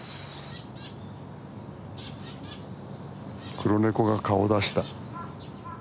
黒ネコが顔を出した。